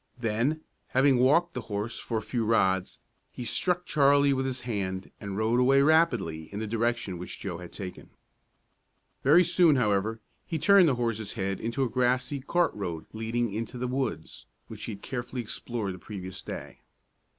Then, having walked the horse for a few rods, he struck Charlie with his hand, and rode away rapidly in the direction which Joe had taken. Very soon, however, he turned the horse's head into a grassy cart road leading into the woods which he had carefully explored the previous day.